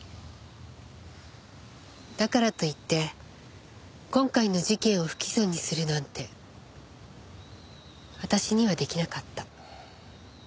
だからといって今回の事件を不起訴にするなんて私には出来なかった。